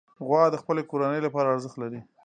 غوا د خپلې کورنۍ لپاره ارزښت لري.